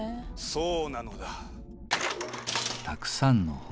そうなのだ。